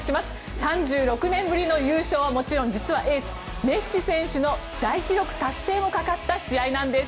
３６年ぶりの優勝はもちろん実はエース、メッシ選手の大記録達成もかかった試合なんです。